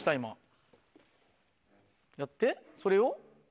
やってそれを？